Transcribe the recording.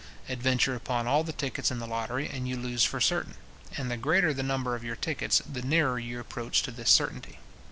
Adventure upon all the tickets in the lottery, and you lose for certain; and the greater the number of your tickets, the nearer you approach to this certainty.